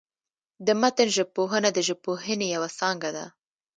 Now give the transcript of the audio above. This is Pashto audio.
د متن ژبپوهنه، د ژبپوهني یوه څانګه ده.